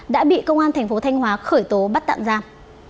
đã bị công an thành phố thanh hóa khởi tố bắt tạm giam